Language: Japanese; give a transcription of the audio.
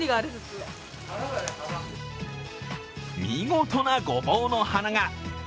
見事なごぼうの花が。